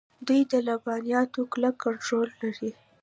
دوی د لبنیاتو کلک کنټرول لري.